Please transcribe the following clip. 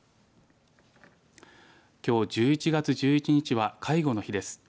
きょう、１１月１１日は介護の日です。